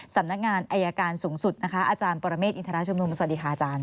สำนักงานอายการสูงสุดนะคะอาจารย์ปรเมฆอินทรชุมนุมสวัสดีค่ะอาจารย์